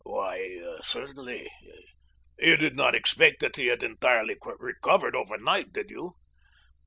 "Why, certainly. You did not expect that he had entirely recovered overnight, did you?"